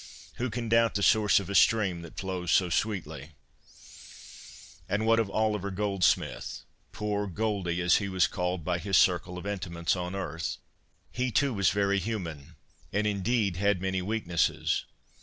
Who can doubt the source of a stream that flows so sweetly ? And what of Oliver Goldsmith — poor ' Goldy,' as he was called by his circle of intimates on earth ? He, too, was very human, and, indeed, had many weaknesses.